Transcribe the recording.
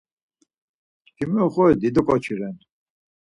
Çkimi oxoris dido ǩoçi ren.